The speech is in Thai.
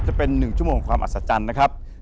จะเป็น๑ชั่วโมงของความอัศจรรย์นะครับ